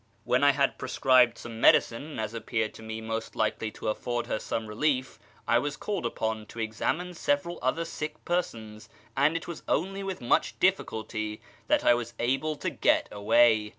When I had prescribed such medicines as appeared to me most likely to afford her some relief, I was called upon to examine several other sick persons, and it was only with much difficulty that I was able to get away.